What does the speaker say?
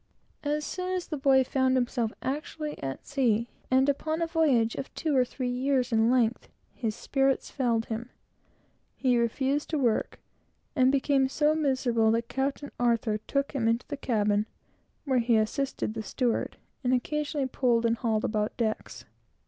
As soon as the boy found himself actually at sea, and upon a voyage of two or three years in length, his spirits failed him; he refused to work, and became so miserable, that Captain Arthur took him into the cabin, where he assisted the steward, and occasionally pulled and hauled about decks.